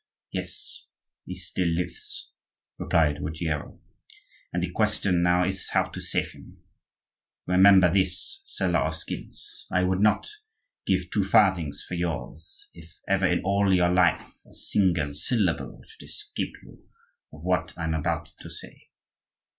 "Yes, he still lives," replied Ruggiero; "and the question now is how to save him. Remember this, seller of skins, I would not give two farthings for yours if ever in all your life a single syllable should escape you of what I am about to say."